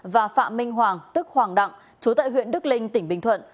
và phạm minh hoàng tức hoàng đặng chú tại huyện đức linh tỉnh bình thuận